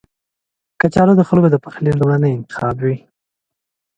کچالو د خلکو د پخلي لومړنی انتخاب وي